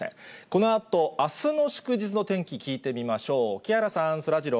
このあと、あすの祝日の天気、聞いてみましょう。